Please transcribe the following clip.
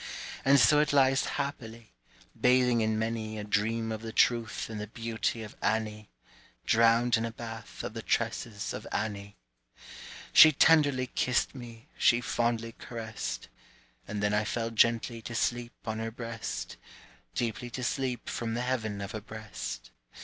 And so it lies happily, Bathing in many A dream of the truth And the beauty of Annie, Drowned in a bath Of the tresses of Annie. She tenderly kissed me, She fondly caressed, And then I fell gently To sleep on her breast, Deeply to sleep From the heaven of her breast.